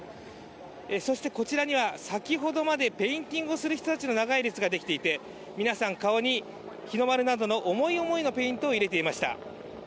そしてこちらには、先ほどまでペインティングをする人たちの長い列ができていて皆さん、顔に日の丸などの思い思いのペイントを入れていました。